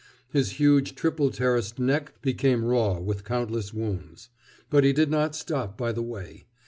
His huge triple terraced neck became raw with countless wounds. But he did not stop by the way.